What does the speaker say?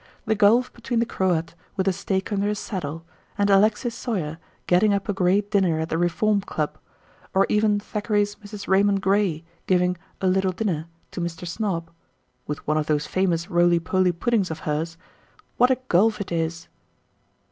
The gulf between the Croat, with a steak under his saddle, and Alexis Soyer getting up a great dinner at the Reform Club, or even Thackeray's Mrs. Raymond Gray giving "a little dinner" to Mr. Snob (with one of those famous "roly poly puddings" of hers), what a gulf it is!